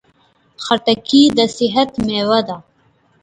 خټکی د صحت مېوه ده.